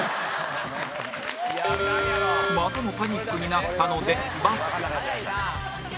またもパニックになったので×